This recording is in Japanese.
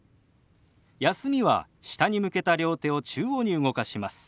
「休み」は下に向けた両手を中央に動かします。